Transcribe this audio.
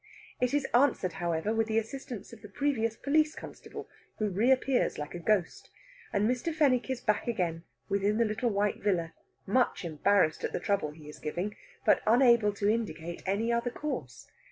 It is answered, however, with the assistance of the previous police constable, who reappears like a ghost. And Mr. Fenwick is back again within the little white villa, much embarrassed at the trouble he is giving, but unable to indicate any other course.